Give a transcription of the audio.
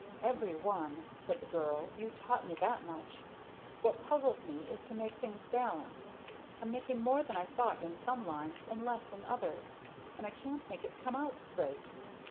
"Every one," said the girl. "You taught me that much. What puzzles me is to make things balance. I'm making more than I thought in some lines, and less in others, and I can't make it come out straight."